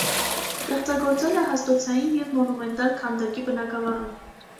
Ստեղծագործել է հաստոցային և մոնումենտալ քանդակի բնագավառում։